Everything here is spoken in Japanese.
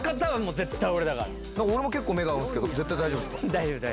俺も結構目が合うけど絶対大丈夫っすか？